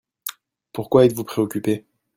Pourquoi êtes-vous préoccupé ?